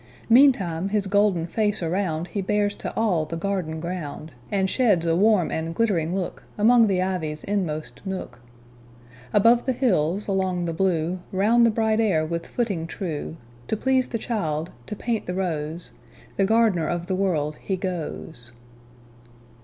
Meantime his golden face aroundHe bears to all the garden ground, And sheds a warm and glittering lookAmong the ivy's inmost nook. Above the hills, along the blue, Round the bright air with footing true, To please the child, to paint the rose, The gardener of the World, he goes.